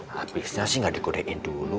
habisnya sih nggak dikodein dulu